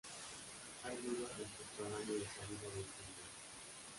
Hay dudas respecto al año de salida de este libro.